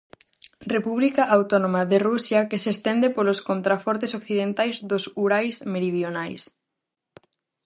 República Autónoma de Rusia que se estende polos contrafortes occidentais dos Urais meridionais.